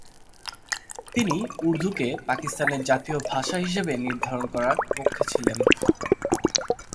তিনি উর্দুকে পাকিস্তানের জাতীয় ভাষা হিসাবে নির্ধারণ করার পক্ষে ছিলেন।